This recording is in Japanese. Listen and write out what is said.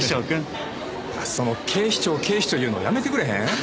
その「警視庁警視庁」言うのやめてくれへん？